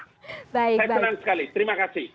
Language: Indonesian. saya senang sekali terima kasih